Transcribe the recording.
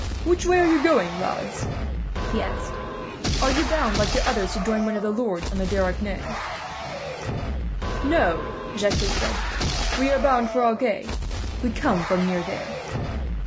"Which way are you going, lads?" he asked. "Are you bound, like the others, to join one of the lords on the Dordogne?" "No," Jacques said, "we are bound for Agen. We come from near there."